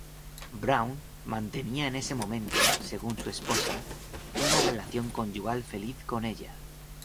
Brown mantenía en ese momento, según su esposa, una relación conyugal feliz con ella.